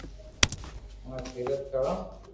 اووي تيرٿ ڪرو